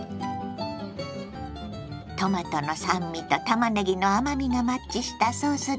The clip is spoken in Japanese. トマトの酸味とたまねぎの甘みがマッチしたソースです。